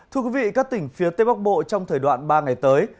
thưa quý vị các tỉnh phía tây bắc bộ trong thời đoạn ba ngày tới